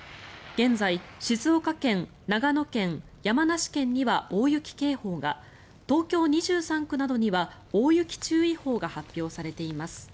現在、静岡県、長野県山梨県には大雪警報が東京２３区などには大雪注意報が発表されています。